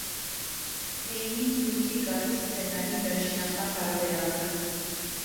Փեյնին դուր չի գալիս սցենարի վերջնական տարբերակը։